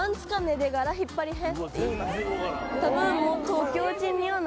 多分。